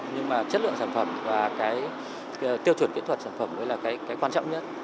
nhưng mà chất lượng sản phẩm và cái tiêu chuẩn kỹ thuật sản phẩm mới là cái quan trọng nhất